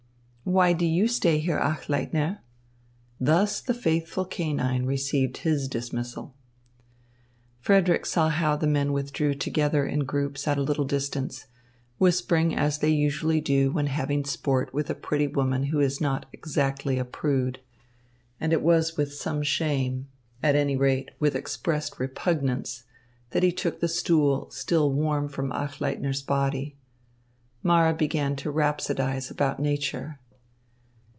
"Why do you stay here, Achleitner?" Thus the faithful canine received his dismissal. Frederick saw how the men withdrew together in groups at a little distance, whispering as they usually do when having sport with a pretty woman who is not exactly a prude; and it was with some shame, at any rate, with expressed repugnance that he took the stool still warm from Achleitner's body. Mara began to rhapsodise about nature.